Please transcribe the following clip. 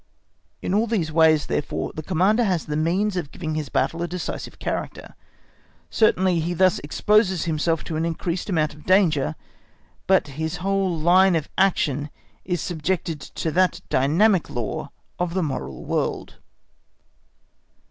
_ In all these ways, therefore, the Commander has the means of giving his battle a decisive character; certainly he thus exposes himself to an increased amount of danger, but his whole line of action is subject to that dynamic law of the moral world.